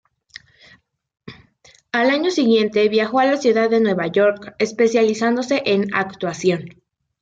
Al año siguiente viajó a la ciudad de Nueva York, especializándose en actuación.